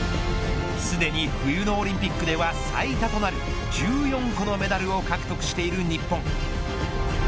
すでに冬のオリンピックでは最多となる１４個のメダルを獲得している日本。